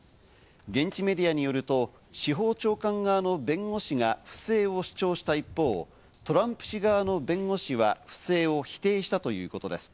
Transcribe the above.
現地メディアによると、司法長官側の弁護士が不正を主張した一方、トランプ氏側の弁護士は不正を否定したということです。